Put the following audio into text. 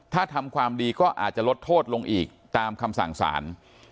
ถ้าทำความดีก็อาจจะลดโทษลงอีกตามคำสั่งสาร